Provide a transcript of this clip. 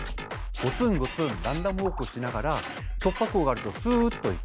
ゴツンゴツンランダムウォークしながら突破口があるとすっと行く。